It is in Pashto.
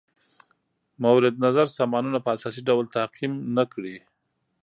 مورد نظر سامانونه په اساسي ډول تعقیم نه کړي.